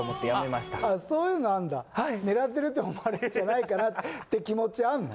狙ってるって思われるんじゃないかなって気持ちあんの？